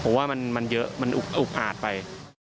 เพราะว่ามันเยอะมันอุบอาดไป